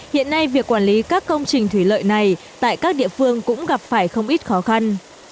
hiện nay việc quản lý các công trình thủy lợi này tại các địa phương cũng gặp phải không ít khó khăn